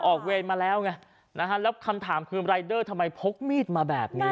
เวรมาแล้วไงนะฮะแล้วคำถามคือรายเดอร์ทำไมพกมีดมาแบบนี้